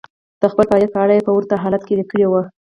د خپل فعاليت په اړه يې په ورته حالت کې ليکلي وو.